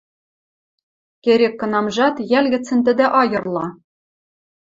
Керек-кынамжат йӓл гӹцӹн тӹдӹ айырла.